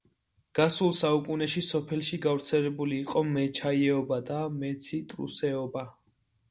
გასულ საუკუნეში სოფელში გავრცელებული იყო მეჩაიეობა და მეციტრუსეობა.